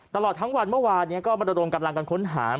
ตลอดทั้งวันเมื่อวานก็มาระดมกำลังกันค้นหา